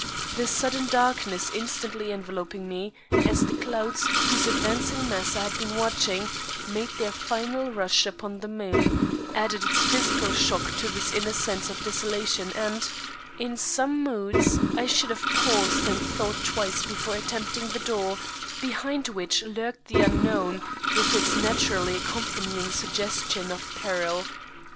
The sudden darkness instantly enveloping me, as the clouds, whose advancing mass I had been watching, made their final rush upon the moon, added its physical shock to this inner sense of desolation, and, in some moods, I should have paused and thought twice before attempting the door, behind which lurked the unknown with its naturally accompanying suggestion of peril.